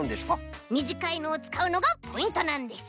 みじかいのをつかうのがポイントなんです。